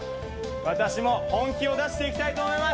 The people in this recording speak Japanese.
私も本気を出していきたいと思います。